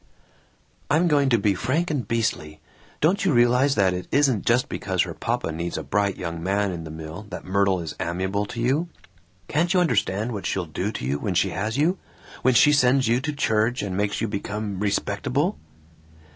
"I'm going to be frank and beastly. Don't you realize that it isn't just because her papa needs a bright young man in the mill that Myrtle is amiable to you? Can't you understand what she'll do to you when she has you, when she sends you to church and makes you become respectable?"